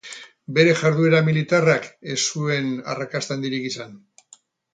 Bere jarduera militarrak ez zuen arrakasta handirik izan.